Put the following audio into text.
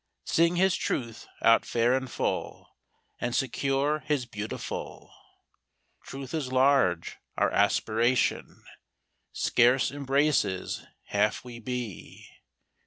Sing His Truth out fair and full, And secure His beautiful. Truth is large. Our aspiration Scarce embraces half we be.